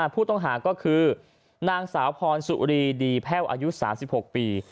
ผู้ต้องหาก็คือนางสาวพรสุรีดีแพ่วอายุ๓๖ปี